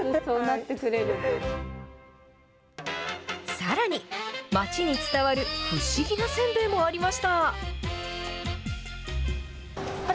さらに、町に伝わる不思議なせんべいもありました。